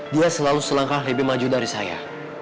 dia selalu selangkah lebih maju dari saya